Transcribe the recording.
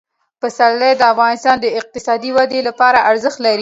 پسرلی د افغانستان د اقتصادي ودې لپاره ارزښت لري.